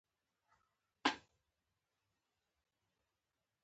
شتمني د مال ډېرښت نه دئ؛ بلکي شتمني د زړه شتمني ده.